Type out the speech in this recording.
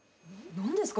何ですか？